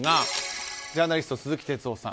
ジャーナリスト、鈴木哲夫さん